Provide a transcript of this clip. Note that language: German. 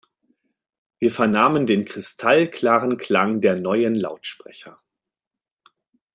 Wir vernahmen den kristallklaren Klang der neuen Lautsprecher.